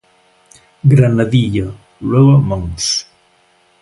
Granadillo, luego Mons.